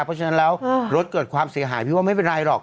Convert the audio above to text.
เพราะฉะนั้นแล้วรถเกิดความเสียหายพี่ว่าไม่เป็นไรหรอก